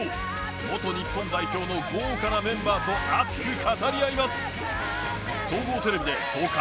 元日本代表の豪華なメンバーと熱く語り合います。